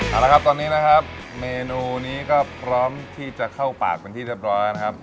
เอาละครับตอนนี้นะครับเมนูนี้ก็พร้อมที่จะเข้าปากเป็นที่เรียบร้อยนะครับ